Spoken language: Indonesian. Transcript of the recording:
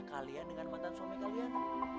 kalian dengan mantan suami kalian